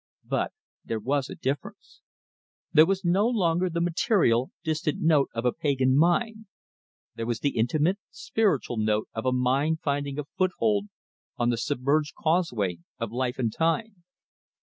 But there was a difference. There was no longer the material, distant note of a pagan mind; there was the intimate, spiritual note of a mind finding a foothold on the submerged causeway of life and time.